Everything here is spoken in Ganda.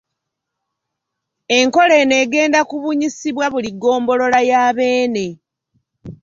Enkola eno egenda kubunyisibwa buli ggombolola ya Beene.